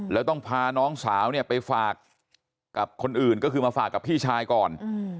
แล้วต้องพาน้องสาวเนี่ยไปฝากกับคนอื่นก็คือมาฝากกับพี่ชายก่อน